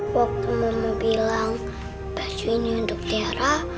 waktu mama bilang pacu ini untuk tiara